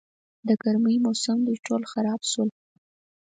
د ګرمي موسم دی، ټول خراب شول.